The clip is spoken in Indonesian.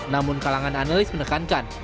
namun kalangan analis menekankan